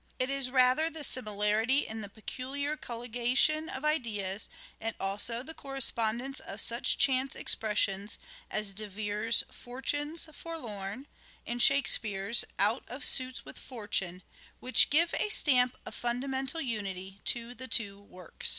It is rather the similiarity in the peculiar colligation of ideas, and also the correspondence of such chance expressions as De Vere's " Fortune's Forlorn" and Shakespeare's " Out of suits with Fortune," which give a stamp of fundamental unity to the two works.